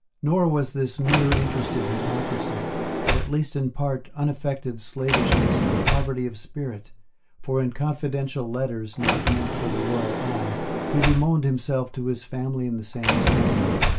Nor was this mere interested hypocrisy, but, at least in part, unaffected slavishness and poverty of spirit; for in confidential letters, not meant for the royal eye, he bemoaned himself to his family in the same strain.